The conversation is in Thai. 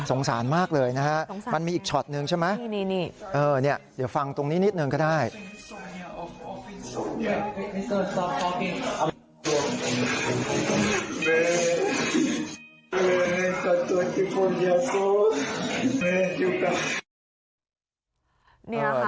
สงสารมากเลยนะฮะมันมีอีกช็อตหนึ่งใช่ไหม